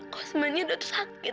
kok sebenarnya dia tuh sakit banget